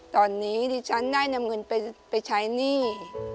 ตอนนี้ดิฉันได้นำเงินไปใช้หนี้